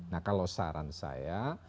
nah kalau saran saya